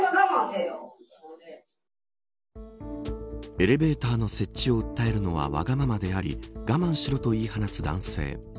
エレベーターの設置を訴えるのは、わがままであり我慢しろと言い放つ男性。